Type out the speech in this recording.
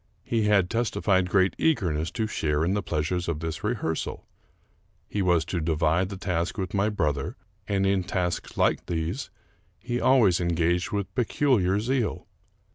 He had testified great eagerness to share in the pleasures of this rehearsal. He was to divide the task with my brother, and in tasks like these he always engaged with peculiar zeal.